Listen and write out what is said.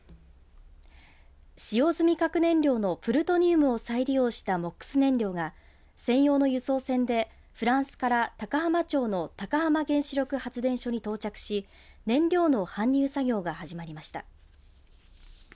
使用済み核燃料のプルトニウムを再利用したＭＯＸ燃料が専用の輸送船でフランスから高浜町の高浜原子力発電所に到着し燃料の搬入作業が始まりました。